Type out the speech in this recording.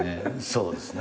そうですね。